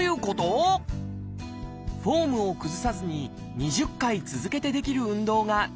フォームを崩さずに２０回続けてできる運動が低強度です。